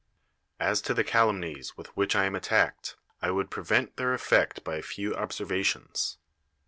As to the caluinnies with wlii<'h I am attacked, I would prevent tli^ir effect by a few observa tions.